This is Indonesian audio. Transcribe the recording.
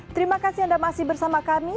terima kasih anda masih bersama kami